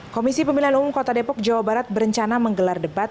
komisi pemilihan umum kota depok jawa barat berencana menggelar debat